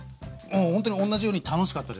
ほんとに同じように楽しかったですね。